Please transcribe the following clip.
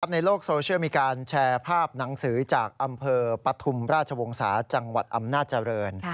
ในโลกโซเชียลมีการแชร์ภาพหนังสือจากอำเภอปฐุมราชวงศาจังหวัดอำนาจริง